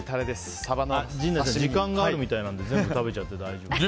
時間があるみたいなので全部食べちゃって大丈夫です。